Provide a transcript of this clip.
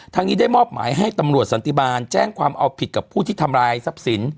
นี้ได้มอบหมายให้ตำรวจสันติบาลแจ้งความเอาผิดกับผู้ที่ทำลายทรัพย์สิน